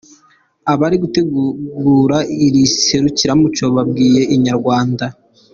Abari gutegura iri serukiramuco babwiye Inyarwanda.